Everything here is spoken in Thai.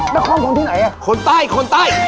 นครของที่ไหนอ่ะคนใต้คนใต้